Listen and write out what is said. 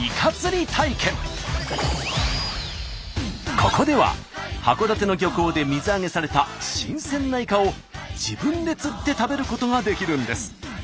ここでは函館の漁港で水揚げされた新鮮なイカを自分で釣って食べることができるんです。